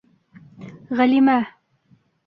Ғәлимә!